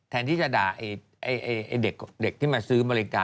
แทนที่จะดาเด็ก